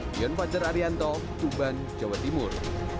dion fajar arianto tuban jawa timur